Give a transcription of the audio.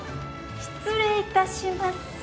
・失礼いたします。